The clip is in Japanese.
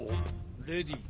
レディー